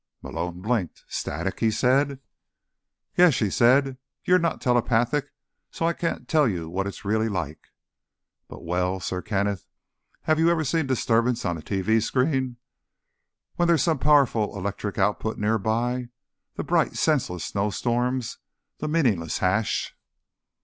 Malone blinked. "Static?" he said. "Yes," she said. "You're not telepathic, so I can't tell you what it's really like. But—well, Sir Kenneth, have you ever seen disturbance on a TV screen, when there's some powerful electric output nearby? The bright, senseless snowstorms, the meaningless hash?"